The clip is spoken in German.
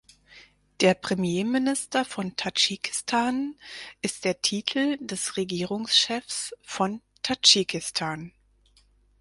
Der Premierminister von Tadschikistan ist der Titel des Regierungschefs von Tadschikistan.